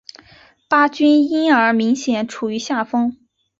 巴军因而明显处于下风。